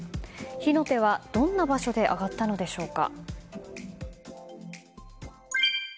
火の手は、どんな場所で上がったのでしょうか。